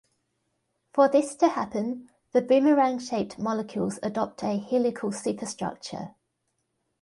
For this to happen the boomerang shaped molecules adopt a helical superstructure.